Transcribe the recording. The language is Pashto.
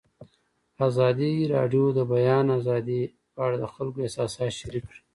ازادي راډیو د د بیان آزادي په اړه د خلکو احساسات شریک کړي.